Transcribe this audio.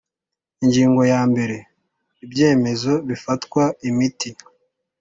Ingingo ya mbere Ibyemezo bifatirwa imiti